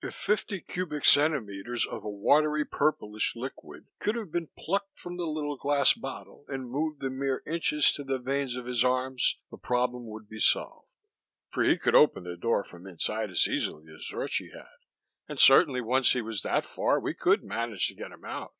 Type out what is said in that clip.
If fifty cubic centimeters of a watery purplish liquid could have been plucked from the little glass bottle and moved the mere inches to the veins of his arms, the problem would be solved for he could open the door from inside as easily as Zorchi had, and certainly once he was that far we could manage to get him out.